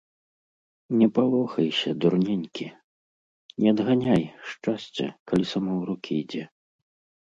Не палохайся, дурненькі, не адганяй шчасця, калі само ў рукі ідзе.